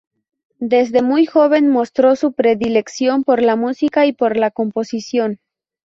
Desde muy joven mostró su predilección por la música y por la composición.